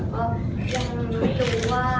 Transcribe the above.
ก็ยังไม่รู้ว่า